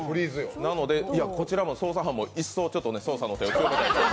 なので、こちらも捜査班も一層捜査の手を。